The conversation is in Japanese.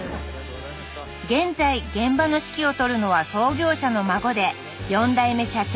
現在現場の指揮を執るのは創業者の孫で４代目社長